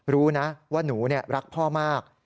รู้นะว่าหนูรักพ่อมาก